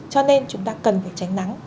cho nên chúng ta cần phải tránh nắng